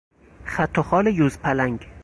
خط و خال یوزپلنگ